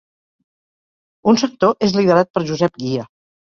Un sector és liderat per Josep Guia.